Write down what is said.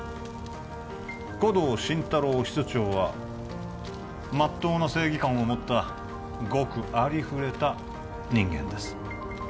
護道心太朗室長はまっとうな正義感を持ったごくありふれた人間です